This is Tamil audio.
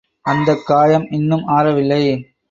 அந்தக் காயம் இன்னும் ஆறவில்லை.